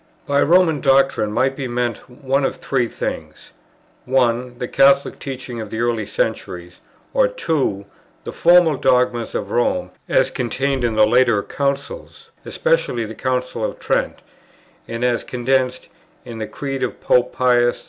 By "Roman doctrine" might be meant one of three things: 1, the Catholic teaching of the early centuries; or 2, the formal dogmas of Rome as contained in the later Councils, especially the Council of Trent, and as condensed in the Creed of Pope Pius IV.